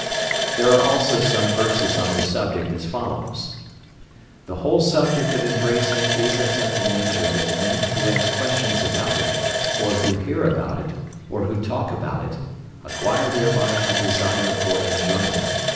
There are also some verses on the subject as follows: "The whole subject of embracing is of such a nature that men who ask questions about it, or who hear about it, or who talk about it, acquire thereby a desire for enjoyment.